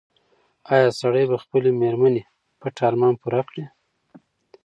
ایا سړی به د خپلې مېرمنې پټ ارمان پوره کړي؟